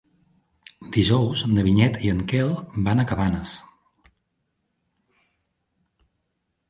Dijous na Vinyet i en Quel van a Cabanes.